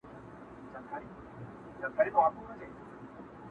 خدای بې اجر راکړي بې ګنا یم ښه پوهېږمه،